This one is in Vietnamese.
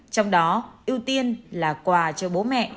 trong đó ưu tiên là quà cho bố mẹ